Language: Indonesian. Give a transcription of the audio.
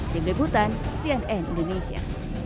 tim rebutan cnn indonesia